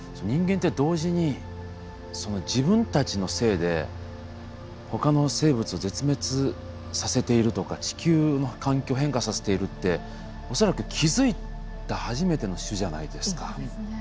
人間って同時に自分たちのせいでほかの生物を絶滅させているとか地球の環境を変化させているって恐らく気付いた初めての種じゃないですか。